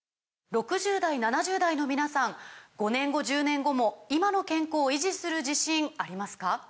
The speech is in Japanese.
６０代７０代の皆さん５年後１０年後も今の健康維持する自信ありますか？